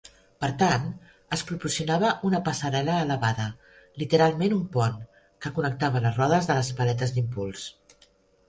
Per tant, es proporcionava una passarel·la elevada, literalment un pont, que connectava les rodes de les paletes d'impuls.